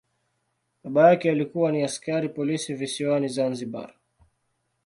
Baba yake alikuwa ni askari polisi visiwani Zanzibar.